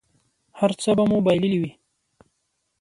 هر څه به مو بایللي وي.